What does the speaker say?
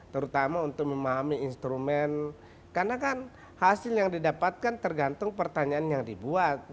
terutama untuk memahami instrumen karena kan hasil yang didapatkan tergantung pertanyaan yang dibuat